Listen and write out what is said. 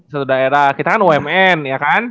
satu daerah kita kan bumn ya kan